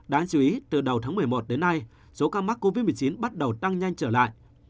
đáng chú ý từ đầu tháng một mươi một đến nay số ca mắc covid một mươi chín bắt đầu tăng nhanh trở lại